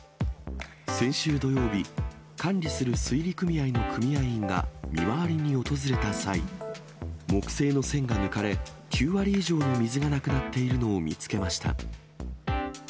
先週土曜日、管理する水利組合の組合員が見回りに訪れた際、木製の栓が抜かれ、９割以上の水がなくなっているのを見つけました。